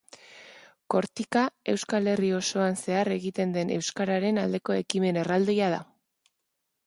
Kortika Euskal Herri osoan zehar egiten den euskararen aldeko ekimen erraldoia da.